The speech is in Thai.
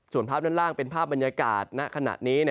ส่วนภาพด้านล่างเป็นภาพบรรยากาศณขณะนี้